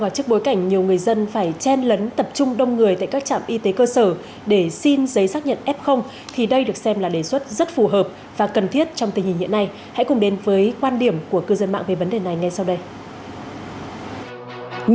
trước bối cảnh nhiều người dân phải chen lấn tập trung đông người tại các trạm y tế cơ sở để xin giấy xác nhận f thì đây được xem là đề xuất rất phù hợp và cần thiết trong tình hình hiện nay hãy cùng đến với quan điểm của cư dân mạng về vấn đề này ngay sau đây